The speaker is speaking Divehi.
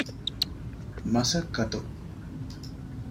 މަސައްކަތު